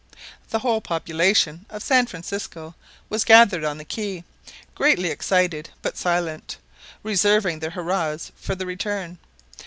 The whole population of San Francisco was gathered on the quay, greatly excited but silent, reserving their hurrahs for the return.